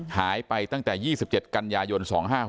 หายไปตั้งแต่๒๗กันยายน๒๕๖๖